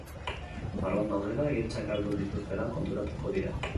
Barruan daudela, giltzak galdu dituztela konturatuko dira.